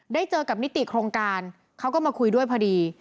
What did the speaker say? เจอกับนิติโครงการเขาก็มาคุยด้วยพอดี